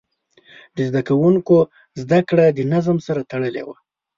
د زده کوونکو زده کړه د نظم سره تړلې وه.